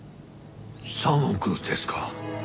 ３億ですか。